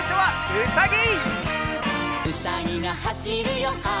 「うさぎがはしるよはしる」